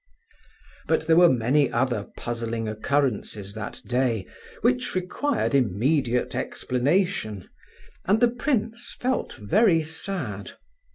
But there were many other puzzling occurrences that day, which required immediate explanation, and the prince felt very sad.